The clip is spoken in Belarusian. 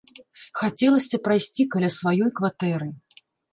Хацелася прайсці каля сваёй кватэры.